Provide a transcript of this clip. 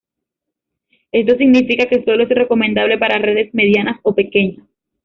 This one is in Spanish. Esto significa que sólo es recomendable para redes medianas o pequeñas.